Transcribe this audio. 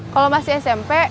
kalau masih smp